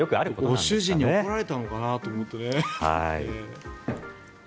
ご主人に怒られたのかなと思ってね。